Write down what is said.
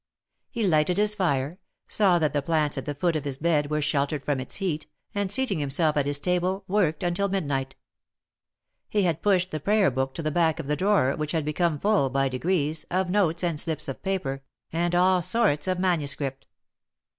He lighted his fire, saw that the plants at the foot of his bed were sheltere4 from its heat, and, seating himself at his table, worked until midnight. He had pushed the prayer book to the back of the drawer, which had become full, by degrees, of notes and slips of paper, and of all sorts of manuscript.